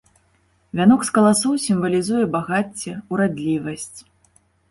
Вянок з каласоў сімвалізуе багацце, урадлівасць.